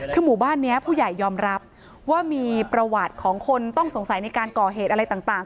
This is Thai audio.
คือหมู่บ้านนี้ผู้ใหญ่ยอมรับว่ามีประวัติของคนต้องสงสัยในการก่อเหตุอะไรต่าง